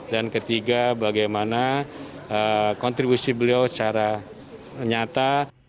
dan ketiga bagaimana kontribusi beliau secara nyata